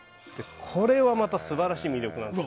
これが素晴らしい魅力なんです。